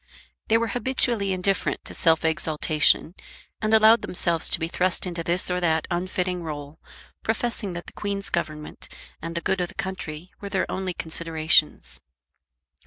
They were habitually indifferent to self exaltation, and allowed themselves to be thrust into this or that unfitting role, professing that the Queen's Government and the good of the country were their only considerations.